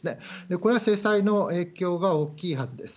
これは制裁の影響が大きいはずです。